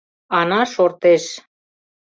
Ана шортеш.